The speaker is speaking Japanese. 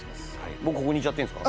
僕ここにいちゃっていいですか？